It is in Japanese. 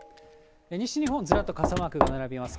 西日本、ずらっと傘マークが並びます。